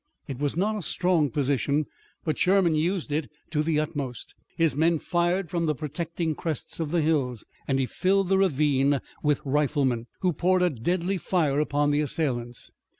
It was not a strong position, but Sherman used it to the utmost. His men fired from the protecting crests of the hills, and he filled the ravine with riflemen, who poured a deadly fire upon their assailants.